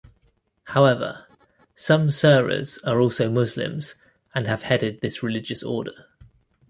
However, some Serers are also Muslims and have headed this religious order.